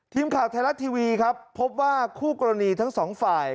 ทีมข่าวไทยรัฐทีวีครับพบว่าคู่กรณีทั้งสองฝ่าย